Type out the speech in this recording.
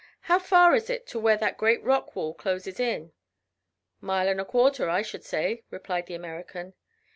How far is it to where that great rock wall closes in?" "Mile and a quarter, I should say," replied the American.